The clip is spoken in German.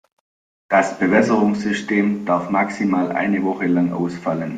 Das Bewässerungssystem darf maximal eine Woche lang ausfallen.